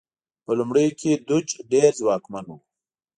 په لومړیو کې دوج ډېر ځواکمن و.